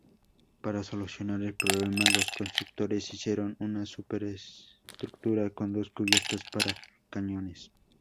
Para solucionar el problema, los constructores hicieron una superestructura con dos cubiertas para cañones.